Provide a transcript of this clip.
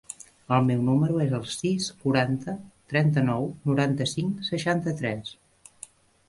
El meu número es el sis, quaranta, trenta-nou, noranta-cinc, seixanta-tres.